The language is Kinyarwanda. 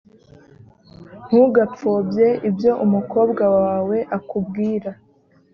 ntugapfobye ibyo umukobwa wawe akubwira.